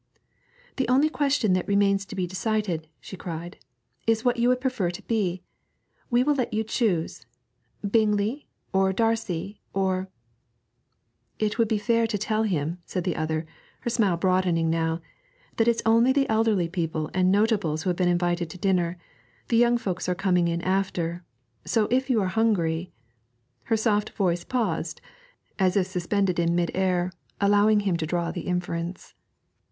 'The only question that remains to be decided,' she cried, 'is what you would prefer to be. We will let you choose Bingley, or Darcy, or ' 'It would be fair to tell him,' said the other, her smile broadening now, 'that it's only the elderly people and notables who have been invited to dinner, the young folks are coming in after; so if you are hungry ' Her soft voice paused, as if suspended in mid air, allowing him to draw the inference.